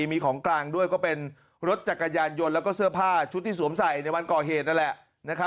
มีของกลางด้วยก็เป็นรถจักรยานยนต์แล้วก็เสื้อผ้าชุดที่สวมใส่ในวันก่อเหตุนั่นแหละ